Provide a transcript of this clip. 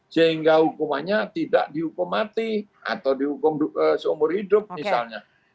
sehingga hukumannya tidak dihukum mati atau dihukum seumur hidup misalnya